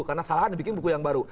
karena salahan bikin buku yang baru